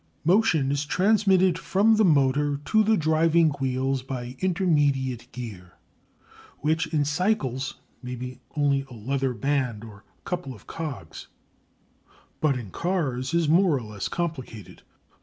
Motion is transmitted from the motor to the driving wheels by intermediate gear, which in cycles may be only a leather band or couple of cogs, but in cars is more or less complicated.